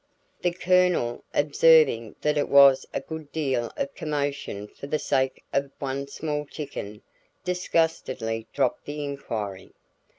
The Colonel, observing that it was a good deal of commotion for the sake of one small chicken, disgustedly dropped the inquiry.